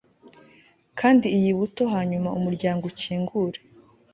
kanda iyi buto hanyuma umuryango ukingure